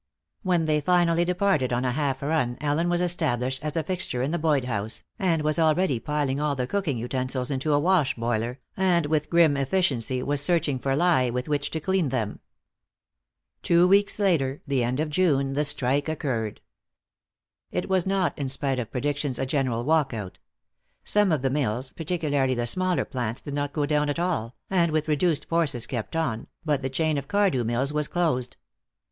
When they finally departed on a half run Ellen was established as a fixture in the Boyd house, and was already piling all the cooking utensils into a wash boiler and with grim efficiency was searching for lye with which to clean them. Two weeks later, the end of June, the strike occurred. It was not, in spite of predictions, a general walk out. Some of the mills, particularly the smaller plants, did not go down at all, and with reduced forces kept on, but the chain of Cardew Mills was closed.